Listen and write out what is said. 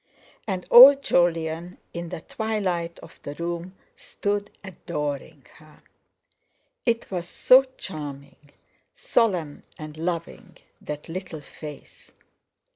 And old Jolyon, in the twilight of the room, stood adoring her! It was so charming, solemn, and loving—that little face.